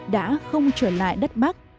đã không trở lại đất bắc